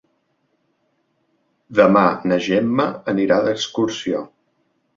Demà na Gemma anirà d'excursió.